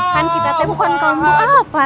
kan kita teh bukan kamu apa